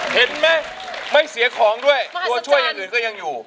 เห็นไหมไม่เสียของด้วยตัวช่วยอย่างอื่นก็ยังอยู่